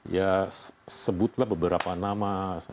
ya sebutlah beberapa nama